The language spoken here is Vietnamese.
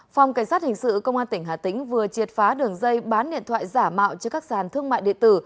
phòng cảnh sát hình sự công an tỉnh hà tĩnh vừa triệt phá đường dây bán điện thoại giả mạo cho các sàn thương mại điện tử